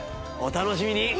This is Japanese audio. お楽しみに。